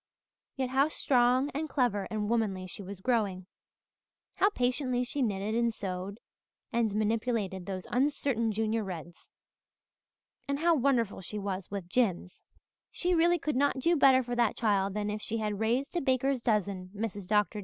Yet how strong and clever and womanly she was growing! How patiently she knitted and sewed and manipulated those uncertain Junior Reds! And how wonderful she was with Jims. "She really could not do better for that child than if she had raised a baker's dozen, Mrs. Dr.